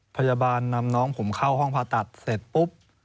พยาบาลนำน้องผมเข้าห้องผ่าตัดเสร็จปุ๊บ